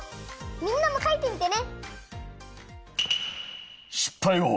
みんなもかいてみてね。